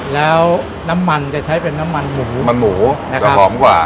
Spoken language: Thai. แล้วน้ำมันจะใช้เป็นน้ำมันหมูมันหมูนะครับหอมกว่า